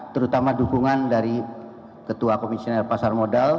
terutama dukungan dari ketua komisioner pasar modal